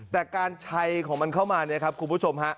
แต่การชัยของมันเข้ามาคุณผู้ชมฮะ